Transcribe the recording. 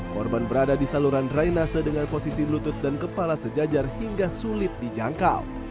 korban berada di saluran drainase dengan posisi lutut dan kepala sejajar hingga sulit dijangkau